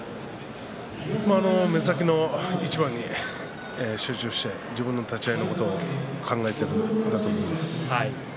目先の一番に集中して自分の立ち合いのことを考えているんだと思います。